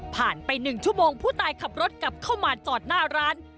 ไป๑ชั่วโมงผู้ตายขับรถกลับเข้ามาจอดหน้าร้าน